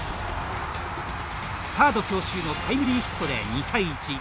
サード強襲のタイムリーヒットで２対１。